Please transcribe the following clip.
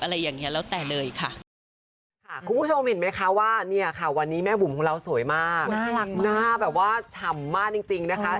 หน้าแบบว่าฉ่ำมากจริงนะคะ